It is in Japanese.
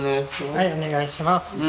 はいお願いします。